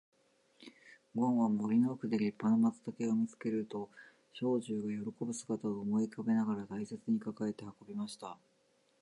ごんは森の奥で立派な松茸を見つけると、兵十が喜ぶ姿を思い浮かべながら大切に抱えて運びました。